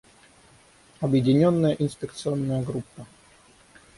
Объединенная инспекционная группа.